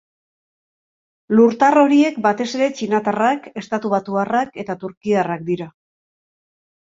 Lurtar horiek batez ere txinatarrak, estatubatuarrak eta turkiarrak dira.